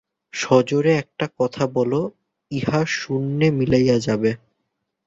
সজোরে একটি কথা বল, ইহা শূন্যে মিলাইয়া যাইবে।